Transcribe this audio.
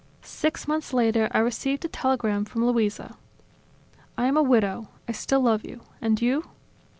Six months later, I received a telegram from Luisa: "I am a widow. I still love you. And you?"